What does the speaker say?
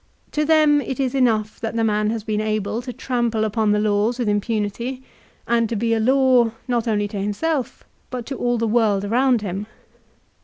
To them it is enough that the man has been able to trample upon the laws with impunity, and to THE WAR BETWEEN CAESAR AND POMPEY. 139 be a law not only to himself but to all the world around him.